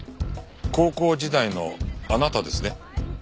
高校時代のあなたですね？